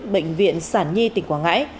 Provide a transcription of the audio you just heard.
bệnh viện sản nhi tỉnh quảng ngãi